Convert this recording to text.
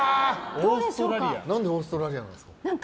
何でオーストラリアなんですか。